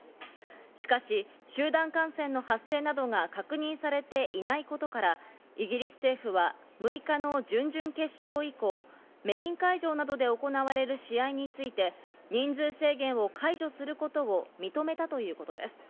しかし集団感染の発生などが確認されていないことから、イギリス政府は６日の準々決勝以降、メイン会場などで行われる試合について、人数制限を解除することを認めたということです。